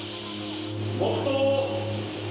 「黙とう」「」